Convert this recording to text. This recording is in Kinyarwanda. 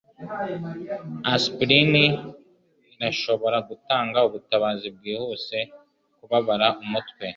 Aspirin irashobora gutanga ubutabazi bwihuse kubabara umutwe.